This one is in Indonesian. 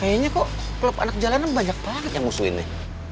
kayaknya kok klub anak jalanan banyak banget yang musuhinnya